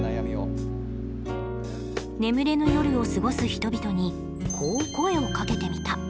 眠れぬ夜を過ごす人々にこう声をかけてみた。